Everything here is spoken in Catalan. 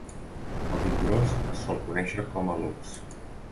El dit gros es sol conèixer com hallux.